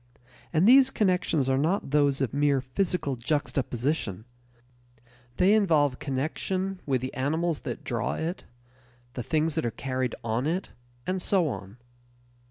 And these connections are not those of mere physical juxtaposition; they involve connection with the animals that draw it, the things that are carried on it, and so on.